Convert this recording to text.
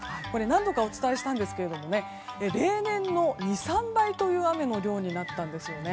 何度かお伝えしたんですけど例年の２３倍という雨の量になったんです。